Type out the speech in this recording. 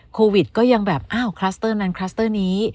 โควิดก็ยังแบบอ้าวคลัสเตอร์นั้นคลัสเตอร์นี้